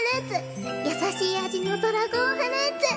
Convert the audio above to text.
やさしい味のドラゴンフルーツ。